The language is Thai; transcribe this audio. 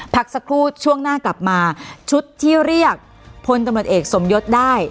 หักชั่วครู่ช่วงหน้ากลับมาชุดที่เรียกพลฯสมยศได้